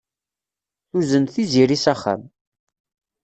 Tuzen Tiziri s axxam.